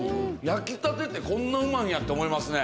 焼きたてって、こんなうまいんやなって思いますね。